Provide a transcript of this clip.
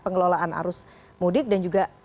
pengelolaan arus mudik dan juga